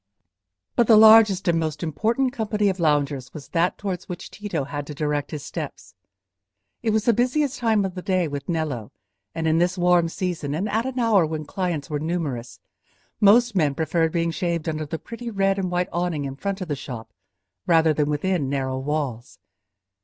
But the largest and most important company of loungers was that towards which Tito had to direct his steps. It was the busiest time of the day with Nello, and in this warm season and at an hour when clients were numerous, most men preferred being shaved under the pretty red and white awning in front of the shop rather than within narrow walls.